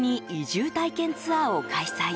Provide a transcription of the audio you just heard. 定期的に移住体験ツアーを開催。